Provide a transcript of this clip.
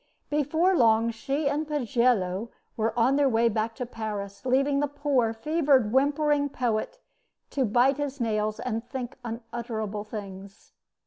Before long she and Pagello were on their way back to Paris, leaving the poor, fevered, whimpering poet to bite his nails and think unutterable things.